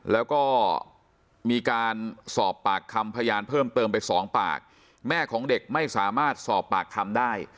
แล้วก็มีการสอบปากคำพยานเพิ่มเติมไปสองปากแม่ของเด็กไม่สามารถสอบปากคำได้